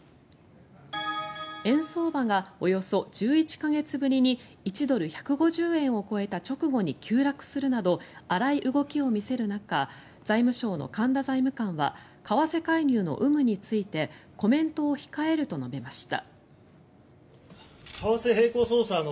円相場がおよそ１１か月ぶりに１ドル＝１５０円を超えた直後に急落するなど荒い動きを見せる中財務省の神田財務官は為替介入の有無についてコメントを控えると述べました。